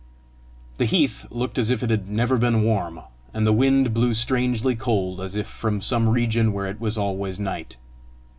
The heath looked as if it had never been warm, and the wind blew strangely cold, as if from some region where it was always night.